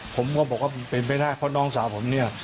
ผมก็บอกว่าเป็นไปได้เพราะน้องสาวผมเนี่ย